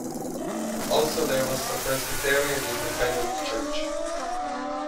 Also there was a Presbyterian Independent Church.